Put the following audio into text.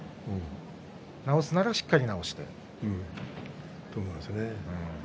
治すならしっかり治して。と思いますね。